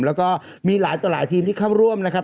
แล้วก็มีหลายต่อหลายทีมที่เข้าร่วมนะครับ